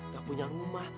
gak punya rumah